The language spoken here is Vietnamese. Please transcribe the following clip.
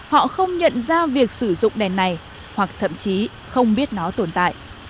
họ không nhận ra việc sử dụng đèn này hoặc thậm chí không biết nó tồn tại